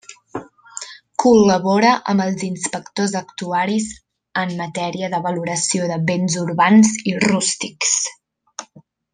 Col·labora amb els inspectors actuaris en matèria de valoració de béns urbans i rústics.